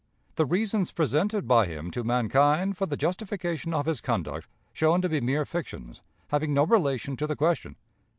The Reasons presented by him to Mankind for the Justification of his Conduct shown to be Mere Fictions, having no Relation to the Question.